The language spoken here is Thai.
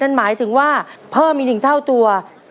นั่นหมายถึงว่าเพิ่มอีกหนึ่งเท่าตัว